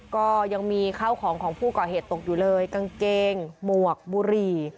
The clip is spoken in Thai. ก็ยังมีข้าวของของผู้ก่อเหตุตกอยู่เลยกางเกงหมวกบุหรี่